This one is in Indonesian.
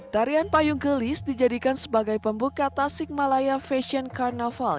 tarian payung gelis dijadikan sebagai pembuka tasik malaya fashion carnaval